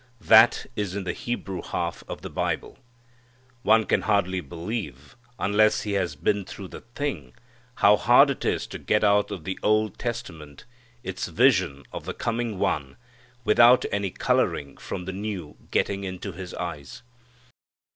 That is in the Hebrew half of the Bible. One can hardly believe, unless he has been through the thing, how hard it is to get out of the Old Testament its vision of the coming One without any coloring from the New getting into his eyes.